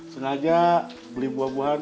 sengaja beli buah buahan